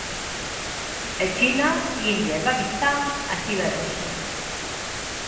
E China, India e Paquistán abstivéronse.